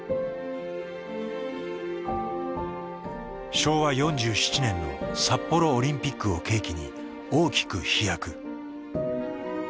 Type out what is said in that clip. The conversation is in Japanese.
昭和４７年の札幌オリンピックを契機に大きく飛躍。